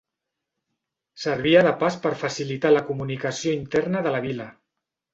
Servia de pas per facilitar la comunicació interna de la vila.